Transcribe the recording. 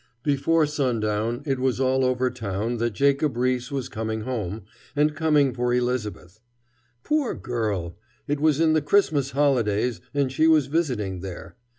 Before sundown it was all over town that Jacob Riis was coming home, and coming for Elisabeth. Poor girl! It was in the Christmas holidays, and she was visiting there.